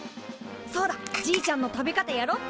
そうだじいちゃんの食べ方やろっと。